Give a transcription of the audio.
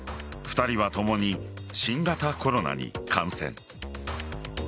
２人は共に新型コロナに感染。